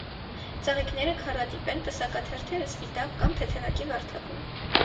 Ծաղիկները քառատիպ են, պսակաթերթերը՝ սպիտակ կամ թեթևակի վարդագույն։